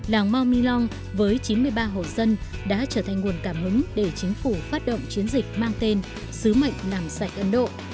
làng mau milong với chín mươi ba hộ dân đã trở thành nguồn cảm hứng để chính phủ phát động chiến dịch mang tên sứ mệnh làm sạch ấn độ